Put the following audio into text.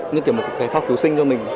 như kiểu một cái pháp cứu sinh cho mình